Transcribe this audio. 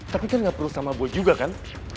tapi kan gak perlu sama bot juga kan